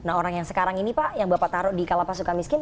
nah orang yang sekarang ini pak yang bapak taruh di kalapas suka miskin